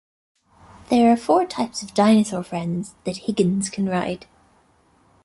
There are four types of dinosaur friends that Higgins can ride.